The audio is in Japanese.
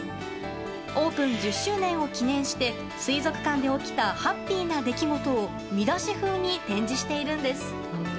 オープン１０周年を記念して水族館で起きたハッピーな出来事を見出し風にして展示しているんです。